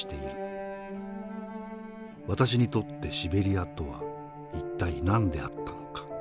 私にとってシベリヤとは一体何であったのか」。